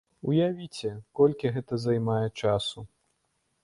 Уявіце, колькі гэта займае часу.